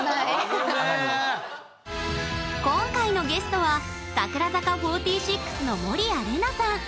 今回のゲストは櫻坂４６の守屋麗奈さん。